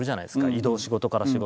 移動仕事から仕事。